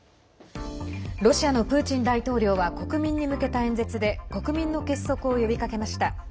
ロシアのプーチン大統領は国民に向けた演説で国民の結束を呼びかけました。